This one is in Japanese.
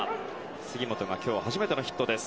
杉本が今日初めてのヒットです